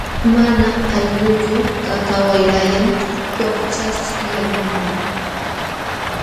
Mana aylluyuq kaqkaq wayrallam wakchaśhyaqlunman.